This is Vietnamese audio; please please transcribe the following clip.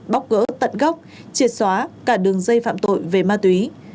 bóc gỡ tận gốc triệt xóa cả đường dây phạm tội về ma túy